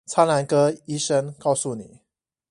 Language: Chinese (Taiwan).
蒼藍鴿醫師告訴你